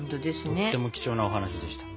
とっても貴重なお話でした。